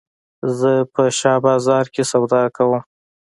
زه په شاه بازار کښي سودا کوم.